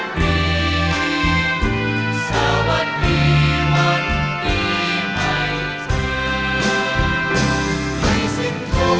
ขอบความจากฝ่าให้บรรดาดวงคันสุขสิทธิ์